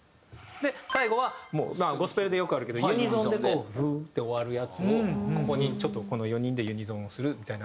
で最後はもうゴスペルでよくあるけどユニゾンでこう「Ｕｈ」で終わるやつをここにちょっとこの４人でユニゾンをするみたいな感じの。